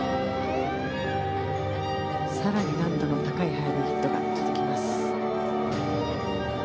更に難度の高いハイブリッドが続きます。